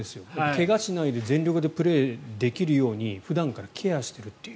怪我をしないで全力でプレーできるように普段からケアをしているという。